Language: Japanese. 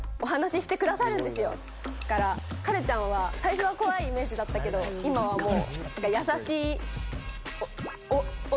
だからカルちゃんは最初は怖いイメージだったけど今はもう。